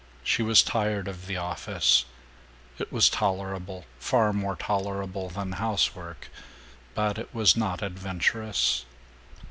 She was tired of the office. It was tolerable, far more tolerable than housework, but it was not adventurous.